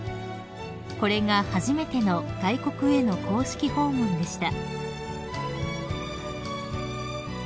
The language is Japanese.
［これが初めての外国への公式訪問でした］